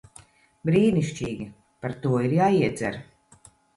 Brīnišķīgi. Par to ir jāiedzer.